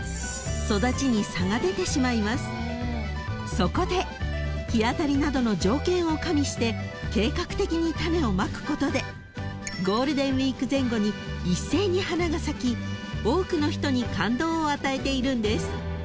［そこで日当たりなどの条件を加味して計画的に種をまくことでゴールデンウイーク前後に一斉に花が咲き多くの人に感動を与えているんです］